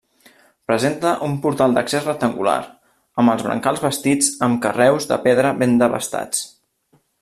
Presenta un portal d'accés rectangular, amb els brancals bastits amb carreus de pedra ben desbastats.